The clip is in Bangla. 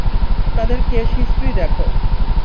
তাদের কেস হিস্ট্রি দেখো।